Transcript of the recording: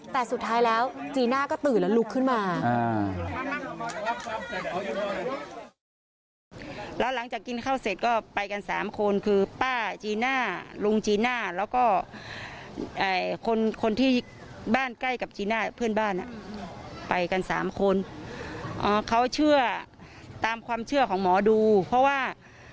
แต่สุดท้ายแล้วจีน่าก็ตื่นแล้วลุกขึ้นมา